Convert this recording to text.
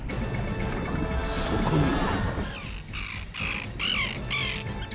［そこに］